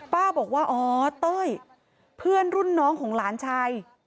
ป้าบอกว่าอ๋อเต้ยเพื่อนรุ่นน้องของหลานชาย